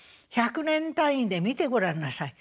１００年単位で見てごらんなさい。